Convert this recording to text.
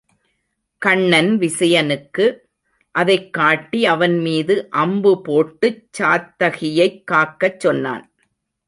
கண்ணன் விசயனுக்கு அதைக் காட்டி அவன் மீது அம்புபோட்டுச் சாத்தகியைக் காக்கச் சொன்னான்.